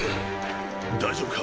大丈夫か？